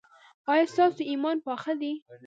ایا ستاسو ایمان پاخه دی؟